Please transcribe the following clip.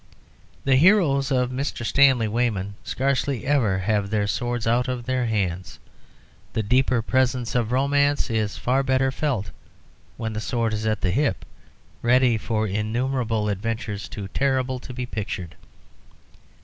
The heroes of Mr. Stanley Weyman scarcely ever have their swords out of their hands; the deeper presence of romance is far better felt when the sword is at the hip ready for innumerable adventures too terrible to be pictured.